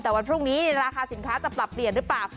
แต่วันพรุ่งนี้ราคาสินค้าจะปรับเปลี่ยนหรือเปล่า